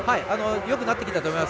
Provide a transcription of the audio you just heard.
良くなってきたと思います。